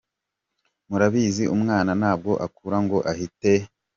Murabizi umwana ntabwo akura ngo ahite.